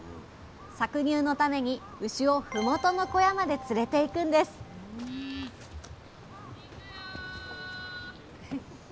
搾乳のために牛をふもとの小屋まで連れていくんです行くよ。